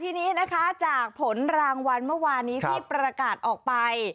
ทีนี้นะคะจากผลรางวัลเมื่อวานนี้ที่ประกาศออกไป